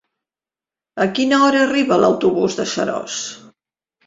A quina hora arriba l'autobús de Seròs?